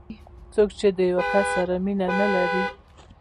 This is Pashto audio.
څوک چې د یو کس سره مینه نه لري.